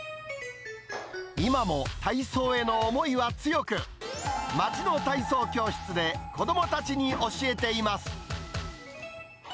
今も体操への思いは強く、町の体操教室で子どもたちに教えています。